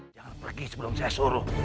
jangan pergi sebelum saya suruh